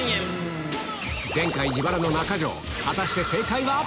前回自腹の中条果たして正解は？